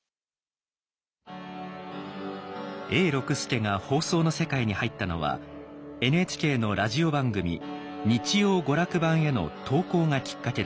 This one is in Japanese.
永六輔が放送の世界に入ったのはＮＨＫのラジオ番組「日曜娯楽版」への投稿がきっかけでした。